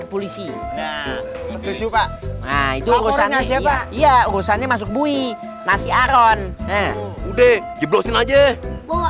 polisi nah itu urusannya iya iya urusannya masuk bui nasi aron udah di blokin aja bawa